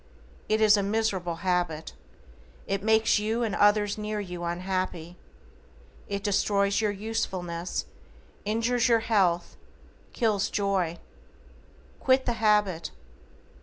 It is a miserable habit. It makes you and others near you unhappy. It destroys your usefulness, injures your health, kills joy. QUIT THE HABIT.